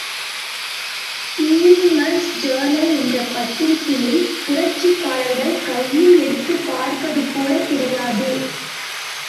Freeman's Journal என்ற பத்திரிகையை புரட்சிக்காரர்கள் கையில் எடுத்துப் பார்ப்பது கூடக்கிடையாது.